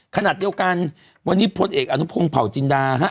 ขณะเดียวกันวันนี้พลเอกอนุพงศ์เผาจินดาฮะ